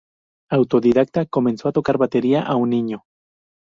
Autodidacta, comenzó a tocar batería aún niño.